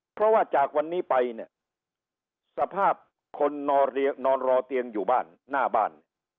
เพราะว่าจากวันนี้ไปเนี่ยสภาพคนนอนเรียกนอนรอเตียงอยู่บ้านหน้าบ้าน